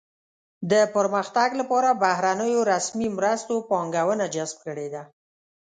د پرمختګ لپاره بهرنیو رسمي مرستو پانګونه جذب کړې ده.